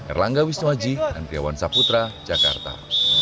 erlangga wisnuaji andriawan saputra jakarta